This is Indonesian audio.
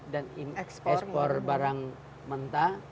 dan ekspor barang mentah